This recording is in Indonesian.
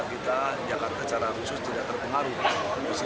meskipun di media sosial sudah membakar bakar emosi